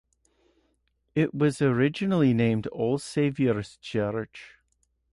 It was originally named All Saviours Church.